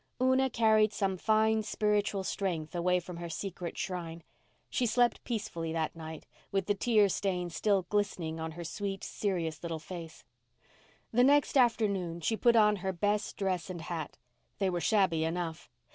Una carried some fine, spiritual strength away from her secret shrine. She slept peacefully that night with the tear stains still glistening on her sweet, serious, little face. The next afternoon she put on her best dress and hat. They were shabby enough.